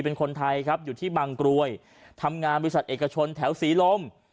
เป็นคนไทยครับอยู่ที่บางกรวยทำงานบริษัทเอกชนแถวศรีลม